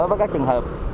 với các trường hợp